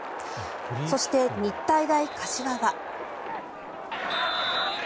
そして、日体大柏は。